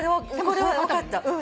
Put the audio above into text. これは分かった。